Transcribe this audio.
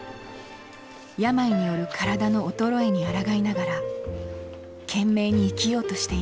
病による体の衰えにあらがいながら懸命に生きようとしています。